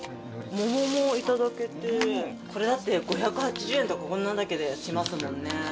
桃も頂けて、これだって５８０円とか、こんなだけでしますもんね。